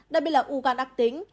đặc biệt là u gan ác tính